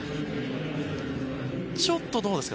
ちょっとどうですか？